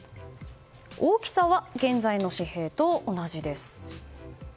大きさは現在の紙幣と同じです。